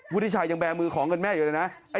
วุฒิชัยยังแบมือของเงินแม่เลยนะ